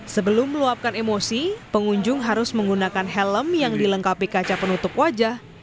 sebelum meluapkan emosi pengunjung harus menggunakan helm yang dilengkapi kaca penutup wajah